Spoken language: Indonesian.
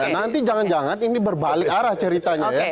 nanti jangan jangan ini berbalik arah ceritanya ya